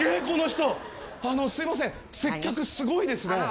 あのすいません接客すごいですね。